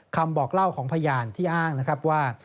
คำบอกเล่าของพยานที่อ้างนะครับว่า